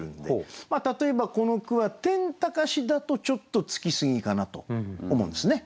例えばこの句は「天高し」だとちょっとつきすぎかなと思うんですね。